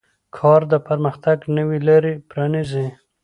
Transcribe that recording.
کار د پرمختګ نوې لارې پرانیزي